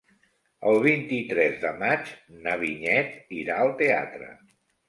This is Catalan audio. El vint-i-tres de maig na Vinyet irà al teatre.